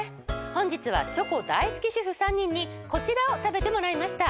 本日はチョコ大好き主婦３人にこちらを食べてもらいました。